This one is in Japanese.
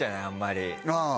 あんまり。